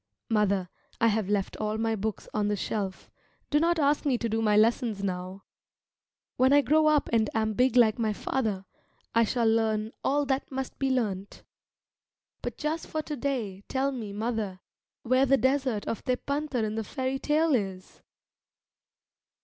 Mother, I have left all my books on the shelf do not ask me to do my lessons now. When I grow up and am big like my father, I shall learn all that must be learnt. But just for to day, tell me, mother, where the desert of Tepântar in the fairy tale is?